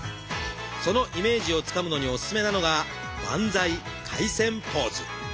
そのイメージをつかむのにおすすめなのが「バンザイ回旋ポーズ」。